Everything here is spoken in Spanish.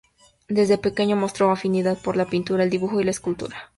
Desde pequeño, mostró afinidad por la pintura, el dibujo y la escultura.